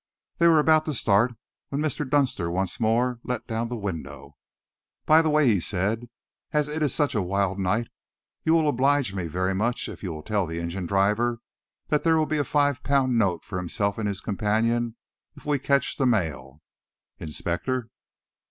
They were about to start when Mr. Dunster once more let down the window. "By the way," he said, "as it is such a wild night, you will oblige me very much if you will tell the engine driver that there will be a five pound note for himself and his companion if we catch the mail. Inspector!"